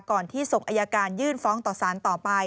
ที่ส่งอายการยื่นฟ้องต่อสารต่อไป